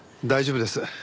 大丈夫です。